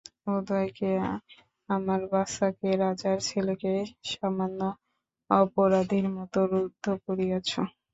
উদয়কে– আমার বাছাকে– রাজার ছেলেকে সামান্য অপরাধীর মতো রুদ্ধ করিয়াছ।